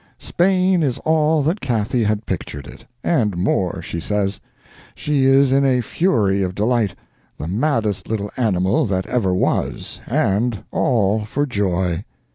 Spain is all that Cathy had pictured it—and more, she says. She is in a fury of delight, the maddest little animal that ever was, and all for joy.